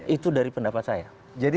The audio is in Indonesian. itu dari pendapat saya